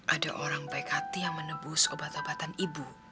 ada orang baik hati yang menebus obat obatan ibu